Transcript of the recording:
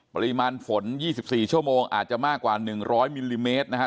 ปริมาณฝนยี่สิบสี่ชั่วโมงอาจจะมากกว่าหนึ่งร้อยมิลลิเมตรนะฮะ